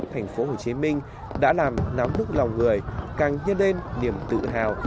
thành phố hồ chí minh đã làm nắm đức lòng người càng nhớ lên niềm tự hào